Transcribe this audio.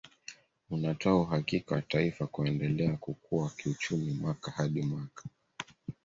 Unatoa uhakika wa taifa kuendelea kukua kiuchumi mwaka hadi mwaka